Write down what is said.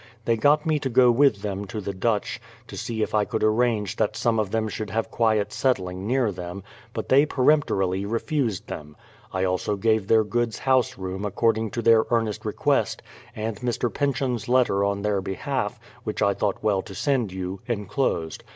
They got me to go with them to the Dutch, to see if I could arrange that some of them should have quiet setthng near them ; but they peremptorily refused them. I also gave their goods house room according to their earnest request, and Mr. Pinchon's letter on their behalf, which I thought well to send you, enclosed.